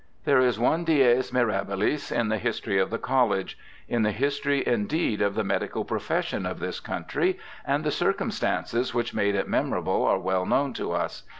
There is one dies inirabilis in the history of the College— in the history, indeed, of the medical profes sion of this country, and the circumstances which made it memorable are well known to us.